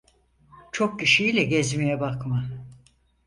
Çok kişi ile gezmeye bakma…